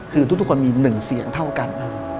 คือทุกคนมี๑เสียงเท่ากัน